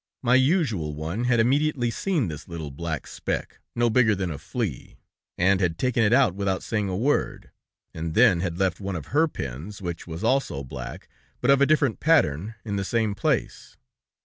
My usual one had immediately seen this little black speck, no bigger than a flea, and had taken it out without saying a word, and then had left one of her pins, which was also black, but of a different pattern, in the same place.